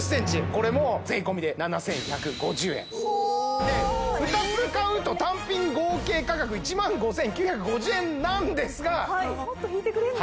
これもおおーっはあ２つ買うと単品合計価格１５９５０円なんですがもっと引いてくれんの？